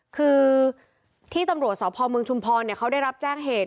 คือที่ตำรวจสพเมืองชุมพรเขาได้รับแจ้งเหตุ